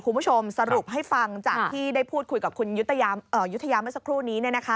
คุณผู้ชมสรุปให้ฟังจากที่ได้พูดคุยกับคุณยุธยาเมื่อสักครู่นี้